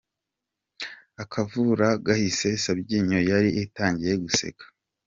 Akavura gahise Sabyinyo yari itangiye guseka.